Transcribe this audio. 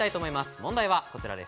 問題はこちらです。